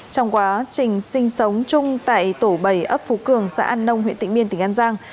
trong quá trình sinh sống chung tại tổ bảy ấp phú cường xã an nông huyện tịnh biên tỉnh an giang